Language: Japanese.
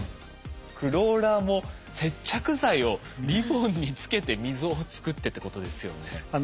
クローラーも接着剤をリボンにつけて溝を作ってってことですよね。